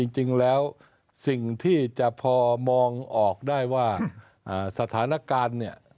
จริงแล้วสิ่งที่จะพอมองออกได้ว่าสถานการณ์เนี่ย